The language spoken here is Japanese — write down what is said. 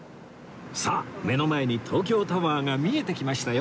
さあ目の前に東京タワーが見えてきましたよ！